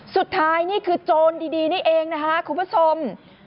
นี่คือโจรดีนี่เองนะคะคุณผู้ชม